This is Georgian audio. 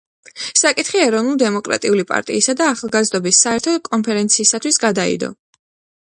საკითხი ეროვნულ-დემოკრატიული პარტიისა და ახალგაზრდობის საერთო კონფერენციისათვის გადაიდო.